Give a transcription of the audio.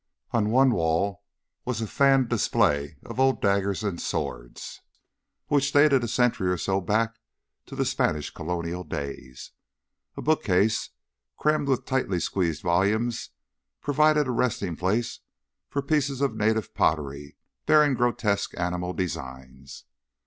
On one wall was a fanned display of old daggers and swords which dated a century or so back to the Spanish colonial days. A bookcase crammed with tightly squeezed volumes provided a resting place for pieces of native pottery bearing grotesque animal designs.